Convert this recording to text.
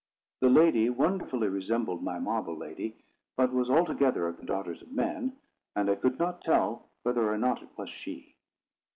The lady wonderfully resembled my marble lady, but was altogether of the daughters of men, and I could not tell whether or not it was she.